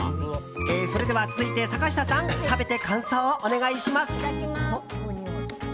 それでは続いて坂下さん食べて感想をお願いします。